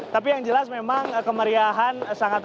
tapi yang jelas memang kemeriahan sangat